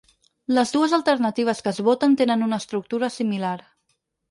Les dues alternatives que es voten tenen una estructura similar.